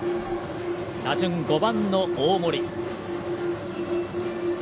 打順、５番の大森。